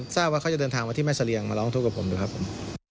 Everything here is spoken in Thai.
ทราบว่าเขาจะเดินทางมาที่แม่เสรียงมาร้องทุกข์กับผมอยู่ครับผม